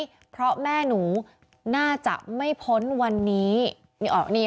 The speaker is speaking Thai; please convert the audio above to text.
เพราะแม่หนูน่าจะไม่พ้นนี้